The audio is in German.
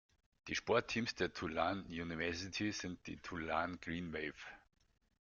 Die Sportteams der Tulane University sind die "Tulane Green Wave".